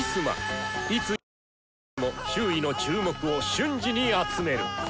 いついかなる時でも周囲の注目を瞬時に集める。